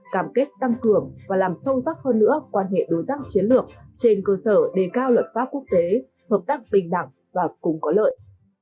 cảm kết tăng cường và làm sâu sắc hơn nữa quan hệ đối tác chiến lược trên cơ sở đề cao luật pháp quốc tế hợp tác bình đẳng và cùng có lợi